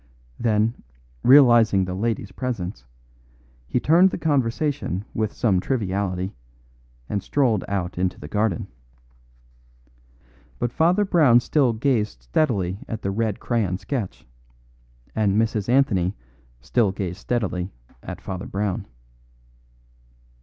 Then, realising the lady's presence, he turned the conversation with some triviality, and strolled out into the garden. But Father Brown still gazed steadily at the red crayon sketch; and Mrs. Anthony still gazed steadily at Father Brown.